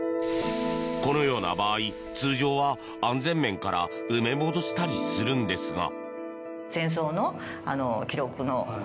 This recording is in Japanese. このような場合、通常は安全面から埋め戻したりするんですが。